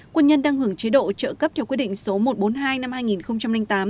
quân nhân đang hưởng chế độ trợ cấp theo quyết định số một trăm bốn mươi hai năm hai nghìn tám